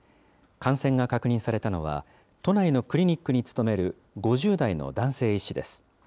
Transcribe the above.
感染が確認されたのは、都内のクリニックに勤める５０代の男性医師です。